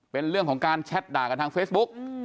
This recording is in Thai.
เป็นเรื่องของการแชทด่ากันทางเฟซบุ๊ก